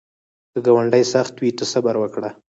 که ګاونډی سخت وي، ته صبر وکړه